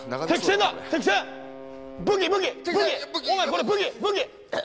これ武器武器！